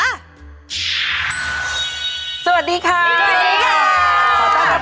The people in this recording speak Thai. สวัสดีค่ะสวัสดีค่ะสวัสดีครับสวัสดีครับสวัสดีครับ